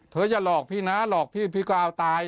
เธอจะหลอกพี่นะหลอกพี่ก็เอาตาย